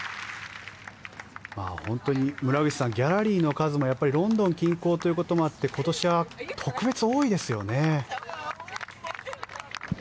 本当に村口さんギャラリーの数もロンドン近郊ということもあって今年は特別多いですよね。